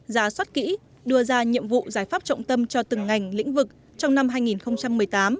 giả soát kỹ đưa ra nhiệm vụ giải pháp trọng tâm cho từng ngành lĩnh vực trong năm hai nghìn một mươi tám